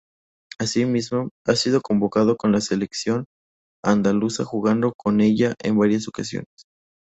Asimismo, ha sido convocado con la selección andaluza jugando con ella en varias ocasiones.